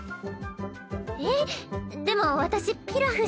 えっでも私ピラフしか。